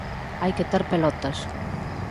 Hai que ter pelotas.